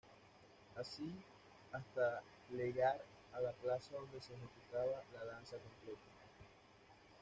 Así hasta legar a la plaza donde se ejecutaba la danza completa.